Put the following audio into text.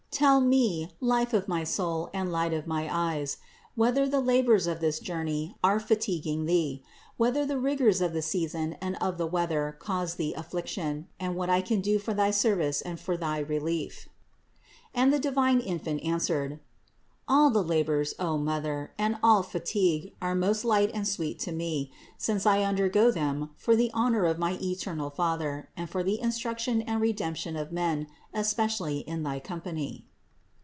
Tell me, life of my soul and light 536 CITY OF GOD of my eyes, whether the labors of this journey are fatiguing Thee, whether the rigors of the season and of the weather cause Thee affliction, and what I can do for thy service and for thy relief." And the divine Infant answered: "All the labors, O Mother, and all fatigue are most light and sweet to Me, since I undergo them for the honor of my eternal Father and for the instruction and Redemption of men, especially in thy company."